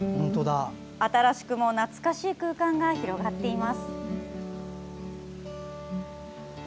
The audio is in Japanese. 新しくも懐かしい空間が広がっています。